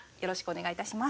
お願い致します。